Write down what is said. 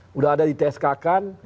sudah ada di tsk kan